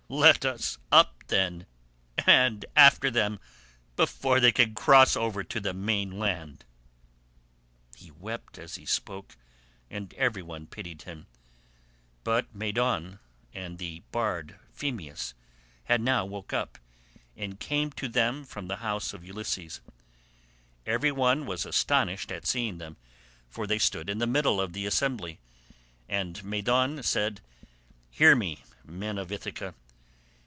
Let us be up, then, and after them, before they can cross over to the main land." He wept as he spoke and every one pitied him. But Medon and the bard Phemius had now woke up, and came to them from the house of Ulysses. Every one was astonished at seeing them, but they stood in the middle of the assembly, and Medon said, "Hear me, men of Ithaca.